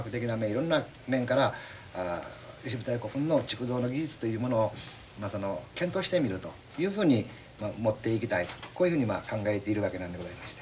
いろんな面から石舞台古墳の築造の技術というものをまあ検討してみるというふうに持っていきたいとこういうふうに考えているわけなんでございまして。